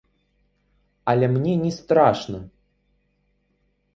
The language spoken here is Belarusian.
Але мне не страшна.